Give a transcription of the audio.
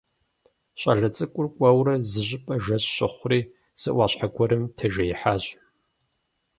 ЩӀалэ цӀыкӀур кӀуэурэ, зыщӀыпӀэ жэщ щыхъури, зы Ӏуащхьэ гуэрым тежеихьащ.